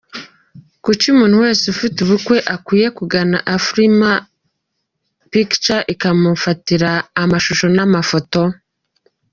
Kuki umuntu wese ufite ubukwe akwiriye kugana Afrifame Pictures ikamufatira amashusho n’amafoto?.